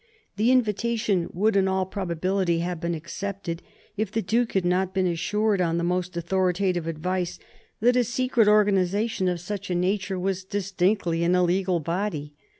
The invitation would in all probability have been accepted if the Duke had not been assured, on the most authoritative advice, that a secret organization of such a nature was distinctly an illegal body.